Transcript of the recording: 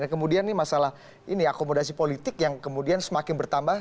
kemudian ini masalah ini akomodasi politik yang kemudian semakin bertambah